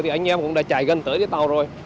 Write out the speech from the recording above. thì anh em cũng đã chạy gần tới cái tàu rồi